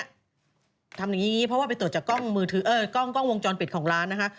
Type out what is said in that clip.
ทำอย่างนี้เพราะว่าไปตรวจจากกล้องวงจรปิดของร้านนะฮะ